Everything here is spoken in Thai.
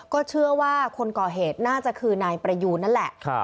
ก็เชื่อว่าคนก่อเหตุน่าจะคือนายประยูนนั่นแหละ